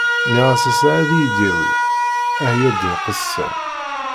Nniɣ-as ass-a ad iyi-yawi, ah ya ddin qessam!